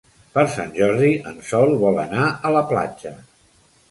Per Sant Jordi en Sol vol anar a la platja.